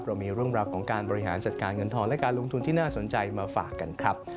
เรามีเรื่องราวของการบริหารจัดการเงินทองและการลงทุนที่น่าสนใจมาฝากกันครับ